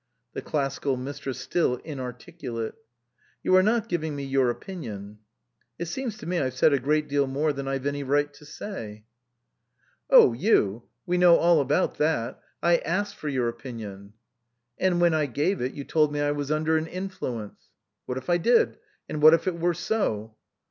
(The Classical Mistress still inarticulate.) " You are not giving me your opinion." " It seems to me I've said a great deal more than I've any right to say." 311 SUPERSEDED " Oh you. We know all about that. I asked for your opinion." " And when I gave it you told me I was under an influence." " What if I did ? And what if it were so